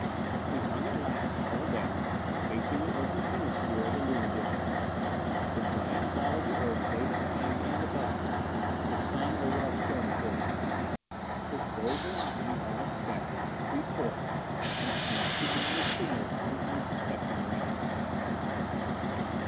We hung at last, hull down, facing the Earthward hemisphere of the Lunar disc. The giant ball of the Earth lay behind and above us the Sun over our stern quarter. With forward velocity almost checked, we poised, and Snap began his signals to the unsuspecting Grantline.